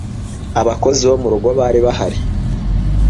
abakozi bo murugo bari bahari